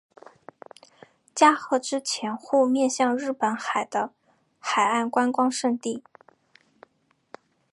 加贺之潜户面向日本海的海岸观光胜地。